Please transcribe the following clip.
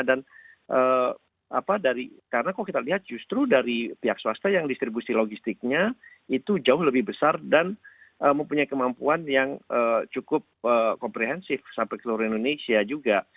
dan apa dari karena kalau kita lihat justru dari pihak swasta yang distribusi logistiknya itu jauh lebih besar dan mempunyai kemampuan yang cukup komprehensif sampai seluruh indonesia juga